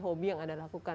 hobi yang anda lakukan